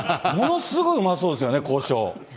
ものすごいうまそうですよね、交渉。